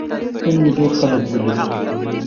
نن مې ډیر خلک ولیدل.